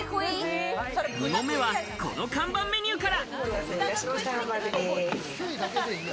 ２問目はこの看板メニューから。